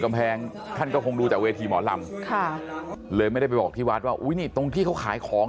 กำแพงท่านก็คงดูแต่เวทีหมอลำเลยไม่ได้ไปบอกที่วาดว่าตรงที่เขาขายของ